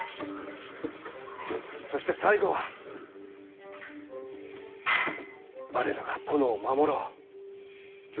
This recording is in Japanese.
そして最後は我らが殿を守ろう。